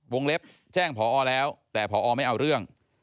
เล็บแจ้งพอแล้วแต่พอไม่เอาเรื่อง